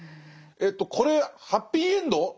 えとこれハッピーエンド？